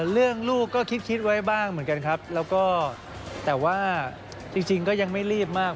ลูกก็คิดไว้บ้างเหมือนกันครับแล้วก็แต่ว่าจริงก็ยังไม่รีบมาก